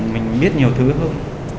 mình biết nhiều thứ hơn